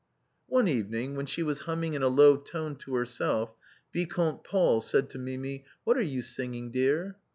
4: :): 4i 4e 4e One evening, when she was humming in a low tone to herself. Vicomte Paul said to Mimi :" What are you singing, dear